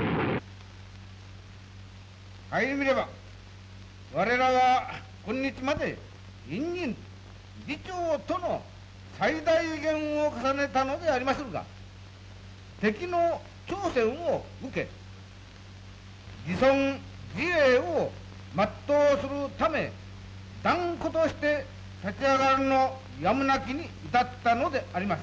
「顧みれば我らは今日まで隠忍自重との最大限を重ねたのでありまするが敵の挑戦を受け自存自衛を全うするため断固として立ち上がるのやむなきに至ったのであります」。